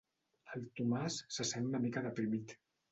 El Tomàs se sent una mica deprimit.